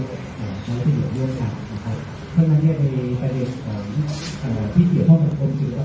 ก็จะมีความผิดตามเท่าไหร่รับอันตราในมาตรา๑๐